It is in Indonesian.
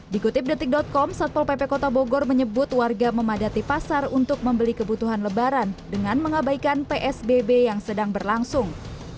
dikutip detik com satpol pp kota bogor menyebut warga memadati pasar untuk membeli kebutuhan lebaran dengan mengabaikan psbb yang sedang berlangsung